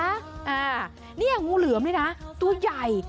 อ่านี่งูเหลือมนี่นะตัวใหญ่